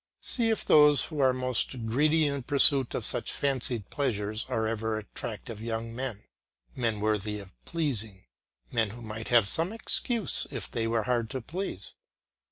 See if those who are most greedy in pursuit of such fancied pleasures are ever attractive young men men worthy of pleasing, men who might have some excuse if they were hard to please.